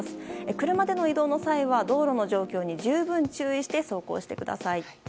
車での移動の際は道路の状況に十分注意して走行してください。